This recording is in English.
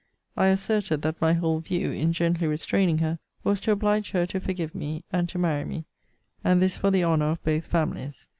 I asserted, that my whole view, in gently restraining her, was to oblige her to forgive me, and to marry me; and this for the honour of both families.